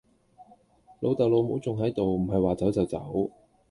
老竇老母仲係度，唔係話走就走